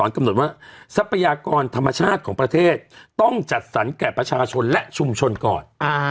กำหนดว่าทรัพยากรธรรมชาติของประเทศต้องจัดสรรแก่ประชาชนและชุมชนก่อน